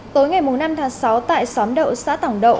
tối ngày năm tháng sáu tại xóm đậu xã tổng đậu